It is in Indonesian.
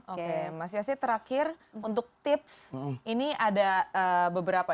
oke mas yasi terakhir untuk tips ini ada beberapa